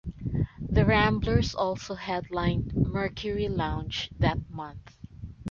The Ramblers also headlined Mercury Lounge that month.